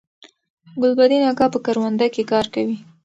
ګلبدین اکا په کرونده کی کار کوي